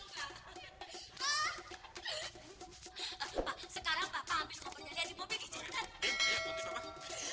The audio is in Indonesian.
jadi mau pergi ke jalan